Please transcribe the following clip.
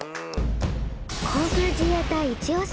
航空自衛隊一押し！